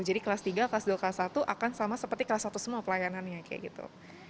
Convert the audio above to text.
jadi kelas tiga kelas dua kelas satu akan sama seperti kelas satu semua pelayanannya kayak gitu